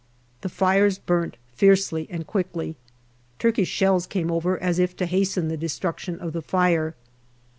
The fires burnt fiercely and quickly ; Turkish shells came over as if to hasten the destruction of the fire.